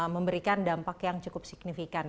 memberikan dampak yang cukup signifikan